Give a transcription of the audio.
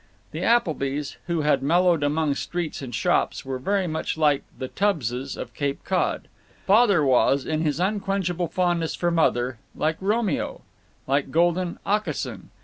The Applebys, who had mellowed among streets and shops, were very much like the Tubbses of Cape Cod. Father was, in his unquenchable fondness for Mother, like Romeo, like golden Aucassin.